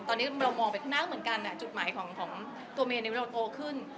ตอนนี้เรามองไปข้างหน้าเหมือนกันจุดหมายของตัวเมย์เราโตขึ้น